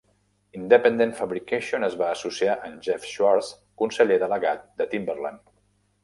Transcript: Independent Fabrication es va associar amb Jeff Swartz, conseller delegat de Timberland.